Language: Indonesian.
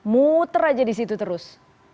muter aja di situ terus